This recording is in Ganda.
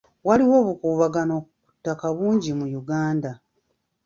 Waliwo obukuubagano ku ttaka bungi mu Uganda.